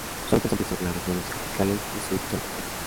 Su hábitat son principalmente las regiones tropicales y subtropicales.